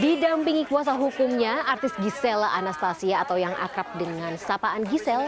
didampingi kuasa hukumnya artis gisela anastasia atau yang akrab dengan sapaan giselle